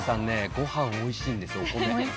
ご飯おいしいんですよお米。